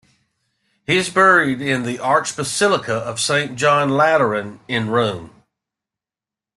He is buried in the Archbasilica of Saint John Lateran in Rome.